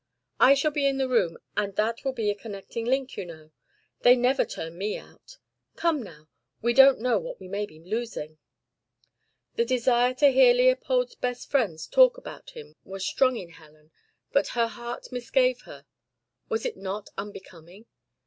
I shall be in the room, and that will be a connecting link, you know: they never turn me out. Come now. We don't know what we may be losing." The desire to hear Leopold's best friends talk about him was strong in Helen, but her heart misgave her: was it not unbecoming?